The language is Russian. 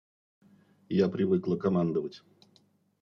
Я привыкла командовать.